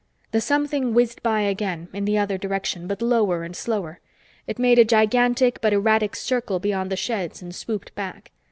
The something whizzed by again, in the other direction, but lower and slower. It made a gigantic but erratic circle beyond the sheds and swooped back.